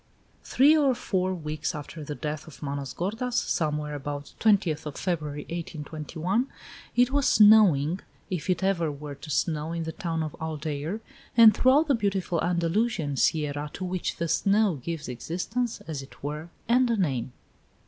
XII. Three or four weeks after the death of Manos gordas, somewhere about the 20th of February, 1821, it was snowing, if it ever were to snow, in the town of Aldeire, and throughout the beautiful Andalusian sierra to which the snow gives existence, as it were, and a name.